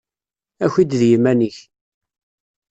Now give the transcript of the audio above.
Aki-d d yiman-ik!